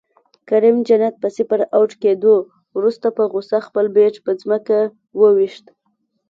کریم جنت په صفر اؤټ کیدو وروسته په غصه خپل بیټ په ځمکه وویشت